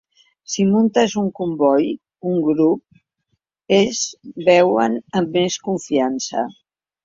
Si muntes un comboi, un grup, es veuen amb més confiança.